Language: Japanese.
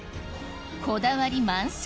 こだわり満載！